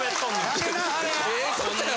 ・やめなはれや！